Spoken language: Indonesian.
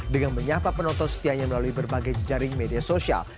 dengan menyapa penonton setianya melalui berbagai jaring media sosial